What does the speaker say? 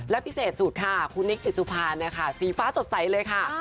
และพิเศษสุดค่ะคุณนิสสุภาสีฟ้าสดใสเลยค่ะ